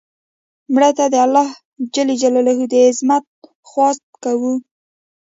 مړه ته د الله ج د عظمت خواست کوو